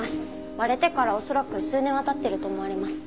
割れてから恐らく数年は経ってると思われます。